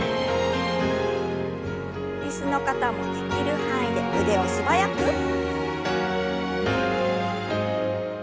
椅子の方もできる範囲で腕を素早く。